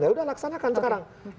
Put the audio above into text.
ya udah laksanakan sekarang